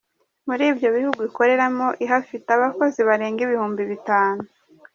Muri ibyo bihugu ikoreramo ihafite abakozi barenga ibihumbi bitanu.